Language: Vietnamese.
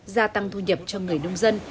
gia tăng thu nhập cho người nông dân